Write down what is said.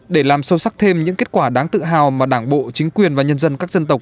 để làm sâu sắc thêm những kết quả đáng tự hào mà đảng bộ chính quyền và nhân dân các dân tộc